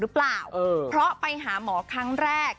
หรือเปล่าเพราะไปหาหมอครั้งแรก